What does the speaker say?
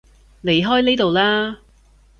離開呢度啦